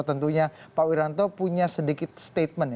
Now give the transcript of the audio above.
tentunya pak wiranto punya sedikit statement